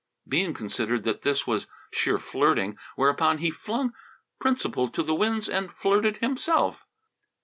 Bean considered that this was sheer flirting, whereupon he flung principle to the winds and flirted himself.